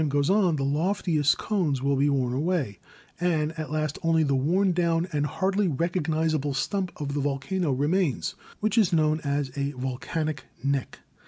goes on, the loftiest cones will be worn away, and at last only the worn down and hardly recognisable stump of the volcano remains, which is known as a volcanic neck.